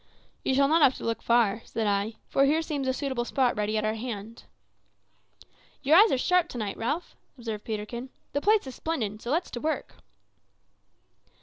"We shall not have to look far," said I, "for here seems a suitable spot ready at our hand." "Your eyes are sharp to night, Ralph," observed Peterkin; "the place is splendid, so let's to work."